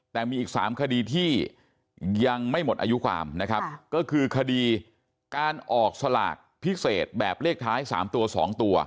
แต่มีอีก๓คดีที่ยังไม่หมดอายุความนะครับก็คือคดีการออกสลากพิเศษแบบเลขท้าย๓ตัว๒ตัว